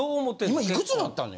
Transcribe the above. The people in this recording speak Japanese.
今いくつなったのよ？